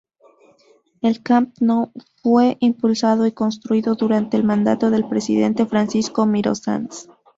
El Camp Nou fue impulsado y construido durante el mandato del presidente Francisco Miró-Sans.